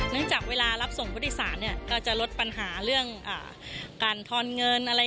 นึกจากเวลารับส่งพฤติศาสตร์ก็จะลดปัญหาเรื่องการทอนเงิน